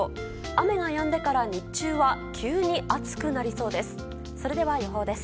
雨がやんでから日中は急に暑くなりそうです。